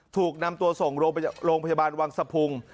ถูกนำตัวส่งโรงพยาบาลวังสะพุง